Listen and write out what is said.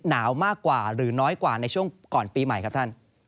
หนาวมากกว่าหรือน้อยกว่าในช่วงก่อนปีใหม่ครับท่าน